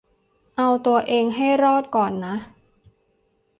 เอาตัวเองให้รอดก่อนนะ